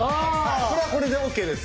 これはこれでＯＫです。